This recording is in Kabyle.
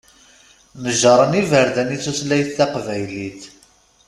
Neǧṛen iberdan i tutlayt taqbaylit.